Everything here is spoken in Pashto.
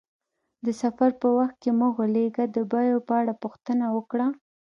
د سفر په وخت کې مه غولیږه، د بیو په اړه پوښتنه وکړه.